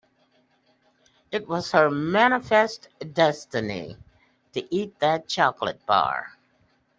It was her manifest destiny to eat that chocolate bar.